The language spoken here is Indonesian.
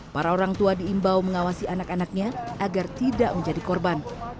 para orang tua diimbau mengawasi anak anaknya agar tidak menjadi korban